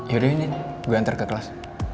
yaudah ini gue antar ke kelas